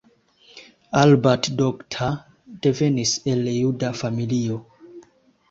Albert Doctor devenis el juda familio.